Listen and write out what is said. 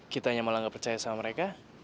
kita yang malah gak percaya sama mereka